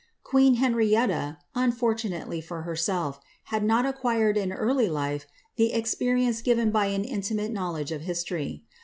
QpMM Henrietta, unfortunately for herself, hacl not acquired in earl^ life tl experience ffiven bv an intimate knowledge of history.